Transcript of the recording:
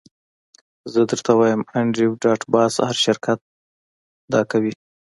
زه درته وایم انډریو ډاټ باس هر شرکت دا کوي